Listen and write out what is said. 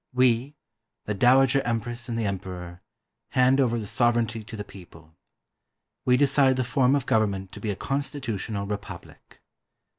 "We, the Dowager Empress and the Emperor, hand over the sovereignty to the people. We decide the form of government to be a constitutional republic.